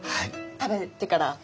食べてからね！